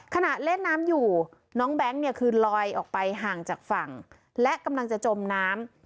ขณะเล่นน้ำอยู่น้องแบงค์เนี่ยคือลอยออกไปห่างจากฝั่งและกำลังจะจมน้ำ